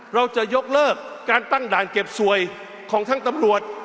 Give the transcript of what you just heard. เราจะยกเลิกการตั้งด่านเก็บสวยของทั้งตำรวจ